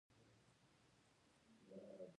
د هلمند په ناهري سراج کې د څه شي نښې دي؟